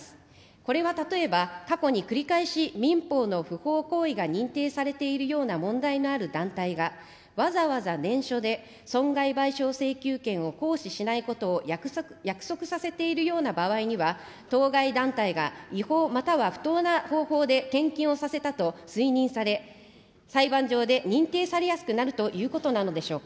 これは例えば過去に繰り返し、民法の不法行為が認定されているような問題のある団体が、わざわざ念書で、損害賠償請求権を行使しないことを約束させているような場合には、当該団体が違法または不当な方法で献金をさせたと推認され、裁判上で認定されやすくなるということなのでしょうか。